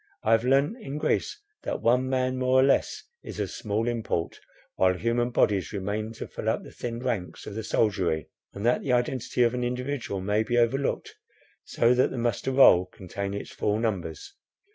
I have learnt in Greece that one man, more or less, is of small import, while human bodies remain to fill up the thinned ranks of the soldiery; and that the identity of an individual may be overlooked, so that the muster roll contain its full numbers.